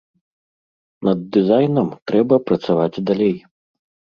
Над дызайнам трэба працаваць далей.